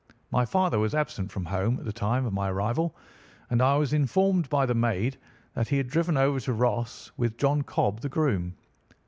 My father was absent from home at the time of my arrival, and I was informed by the maid that he had driven over to Ross with John Cobb, the groom.